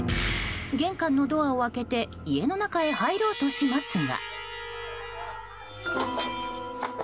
玄関のドアを開けて家の中へ入ろうとしますが。